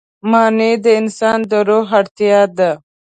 معنی د انسان د روح اړتیا ده.